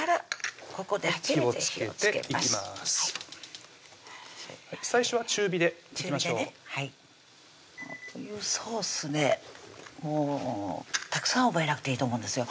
ここで初めて火をつけます最初は中火でいきましょうこういうソースねもうたくさん覚えなくていいと思うんですよ